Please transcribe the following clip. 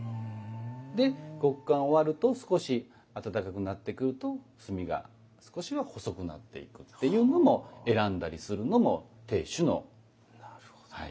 で極寒終わると少し暖かくなってくると炭が少しは細くなっていくっていうのも選んだりするのも亭主のはい。